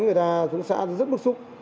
người ta xuống xã rất bức xúc